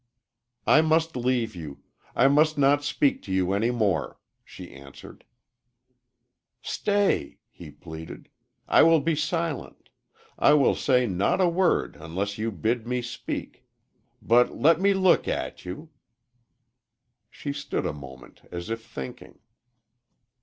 "I must leave you I must not speak to you any more," she answered. "Stay," he pleaded. "I will be silent I will say not a word unless you bid me speak but let me look at you." She stood a moment as if thinking.